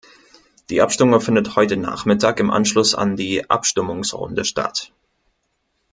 Die Abstimmung findet heute Nachmittag im Anschluss an die Abstimmungsrunde statt.